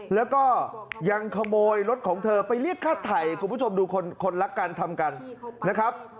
แล้วก็ยังขโมยรถของเธอไปเรียกค่าไถ่คุณผู้ชมดูคนรักกันทำกันนะครับ